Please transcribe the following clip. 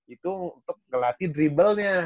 itu untuk ngelatih dribblenya